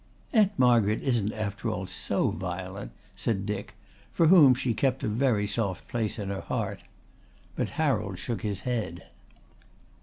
"Aunt Margaret isn't after all so violent," said Dick, for whom she kept a very soft place in her heart. But Harold shook his head.